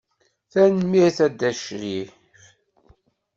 Tanemmirt a Dda Crif.